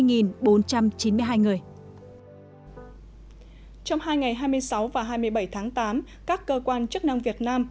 trong hai ngày hai mươi sáu và hai mươi bảy tháng tám các cơ quan chức năng việt nam